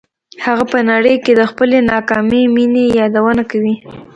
هغه په نړۍ کې د خپلې ناکامې مینې یادونه کوي